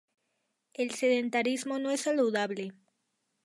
El sedentarismo no es saludable.